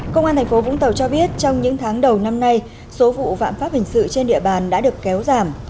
công an tp vũng tàu cho biết trong những tháng đầu năm nay số vụ phạm pháp hình sự trên địa bàn đã được kéo giảm